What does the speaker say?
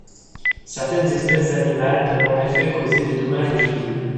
Certaines espèces animales peuvent en effet causer des dommages au gibier.